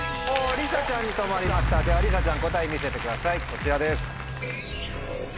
りさちゃん答え見せてくださいこちらです。